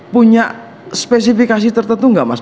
punya spesifikasi tertentu nggak mas